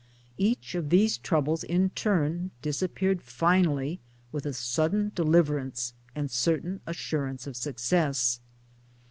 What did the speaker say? Each of these troubles in turn disappeared finally with a sudden deliverance and certain assurance of success.